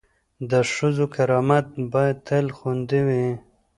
د ښځو کرامت باید تل خوندي وي.